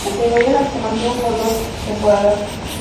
Categoría en la que se mantuvo por dos temporadas.